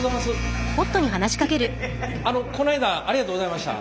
あのこの間はありがとうございました。